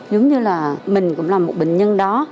giống như là mình cũng là một bệnh nhân đó